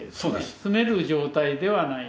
住める状態ではない。